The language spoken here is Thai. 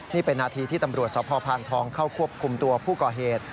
นี่เป็นนาทีที่ตำรวจสพพานทองเข้าควบคุมตัวผู้ก่อเหตุ